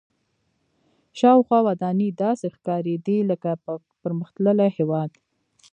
شاوخوا ودانۍ داسې ښکارېدې لکه پرمختللي هېواد.